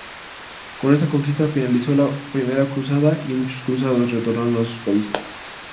Con esta conquista finalizó la primera cruzada, y muchos cruzados retornaron a sus países.